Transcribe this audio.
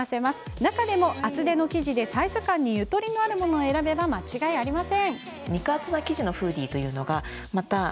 中でも厚手の生地でサイズ感にゆとりのあるものを選べば間違いありません。